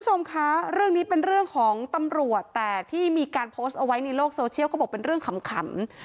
คุณผู้ชมคะเรื่องนี้เป็นเรื่องของตำรวจแต่ที่มีการโพสต์เอาไว้ในโลกโซเชียลก็บอกเป็นเรื่องขำ